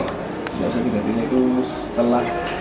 puncak sakit hatimu itu setelah